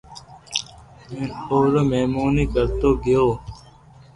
ھين او رو مھموني ڪرتو گيو